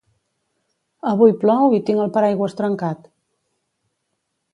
Avui plou i tinc el paraigües trencat